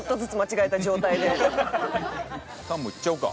タンもいっちゃおうか。